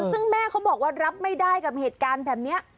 ซึ่งแม่เขาบอกว่ารับไม่ได้กับเหตุการณ์แบบนี้